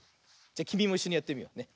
じゃきみもいっしょにやってみようね。